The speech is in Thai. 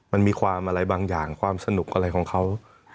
มันมีความอะไรบางอย่างความสนุกอะไรของเขา